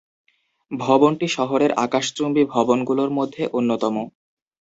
ভবনটি শহরের আকাশচুম্বী ভবনগুলোর মধ্যে অন্যতম।